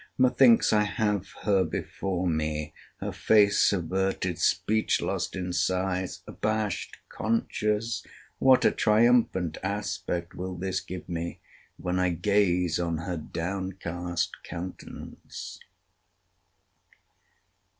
methinks I have her before me: her face averted: speech lost in sighs—abashed—conscious—what a triumphant aspect will this give me, when I gaze on her downcast countenance!